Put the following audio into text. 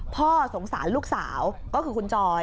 พ่อสงสารลูกสาวก็คือคุณจอย